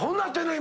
今。